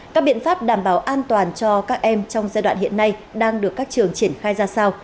các biện pháp đảm bảo an toàn cho các em trong giai đoạn hiện nay đang được các trường triển khai ra sao